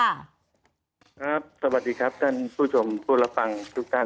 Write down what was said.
สวัสดีครับท่านผู้ชมผู้รับฟังทุกท่าน